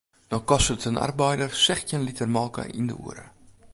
No kostet in arbeider sechstjin liter molke yn de oere.